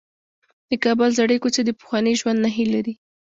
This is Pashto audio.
د کابل زړې کوڅې د پخواني ژوند نښې لري.